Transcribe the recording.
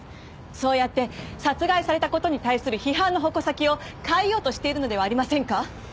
そうやって殺害された事に対する批判の矛先を変えようとしているのではありませんか？